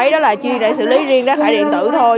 rồi rất là lâu rồi